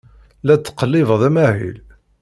La d-ttqellibeɣ amahil.